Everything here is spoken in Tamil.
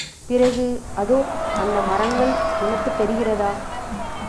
பிறகு, அதோ, அந்த மரங்கள் உனக்குத் தெரிகிறதா?